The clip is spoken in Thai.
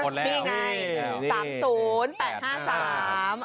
มีไง๓๐๘๕๓